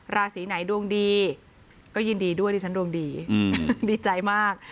ราศีไหนดวงดีก็ยินดีด้วยดิฉันดวงดีดีใจมาก